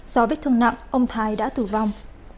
do vết thương nặng ông thái đã tử vong